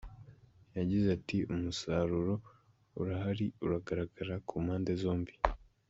Yagize ati ‘‘Umusaruro urahari, uragaragara ku mpande zombi.